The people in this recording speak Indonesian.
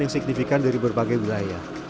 yang signifikan dari berbagai wilayah